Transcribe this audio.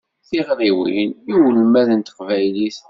Tiɣriwin i ulmad n teqbaylit.